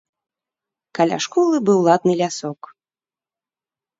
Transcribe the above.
Каля школы быў ладны лясок.